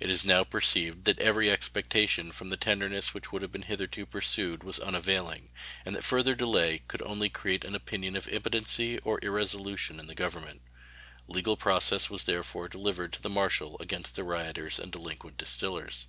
It is now perceived that every expectation from the tenderness which had been hitherto pursued was unavailing, and that further delay could only create an opinion of impotency or irresolution in the Government. Legal process was therefore delivered to the marshal against the rioters and delinquent distillers.